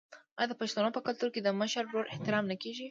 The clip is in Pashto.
آیا د پښتنو په کلتور کې د مشر ورور احترام نه کیږي؟